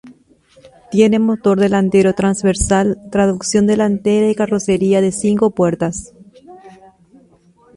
Tiene motor delantero transversal, tracción delantera y carrocería de cinco puertas.